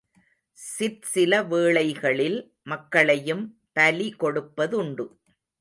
சிற்சில வேளைகளில் மக்களையும் பலி கொடுப்பதுண்டு.